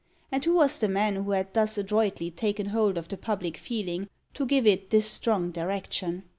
And who was the man who had thus adroitly taken hold of the public feeling to give it this strong direction?